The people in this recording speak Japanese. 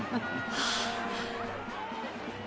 はあ！